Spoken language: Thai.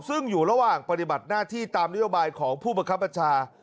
ซึ่งอยู่ระหว่างปฏิบัติหน้าที่ตามนโยบายของผู้บังคับบัญชา